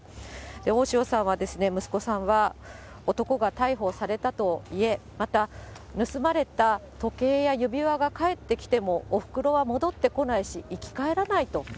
大塩さんは、息子さんは、男が逮捕されたといえ、また、盗まれた時計や指輪が返ってきても、おふくろは戻ってこないし、生き返らないと。